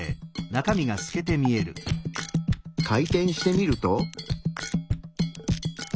回転してみると。